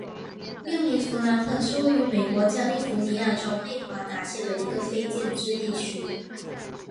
穆尼弗拉特是位于美国加利福尼亚州内华达县的一个非建制地区。